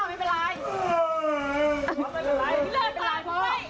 พี่ไข่ช่วยมากเลย